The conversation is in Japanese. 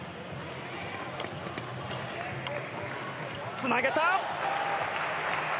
つなげた！